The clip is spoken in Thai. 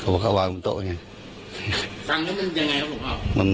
เขาบอกว่าเขาวางบนโต๊ะอย่างเงี้ย